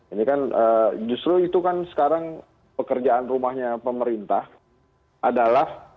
ini kan justru itu kan sekarang pekerjaan rumahnya pemerintah adalah